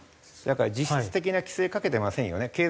だから実質的な規制かけてませんよね。